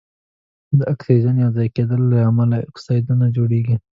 د اکسیجن یو ځای کیدلو له امله اکسایدونه جوړیږي.